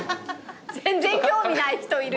全然興味ない人いる。